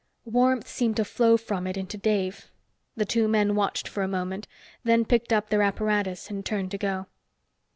Warmth seemed to flow from it into Dave. The two men watched for a moment, then picked up their apparatus and turned to go.